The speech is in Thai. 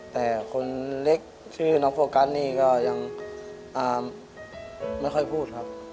แต่คนเล็กชื่อน้องโฟกัสนี่ก็ยังไม่ค่อยพูดครับ